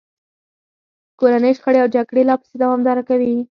کورنۍ شخړې او جګړې لا پسې دوامداره کوي.